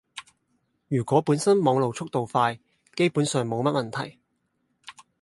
如果本身網絡速度快，基本上冇乜問題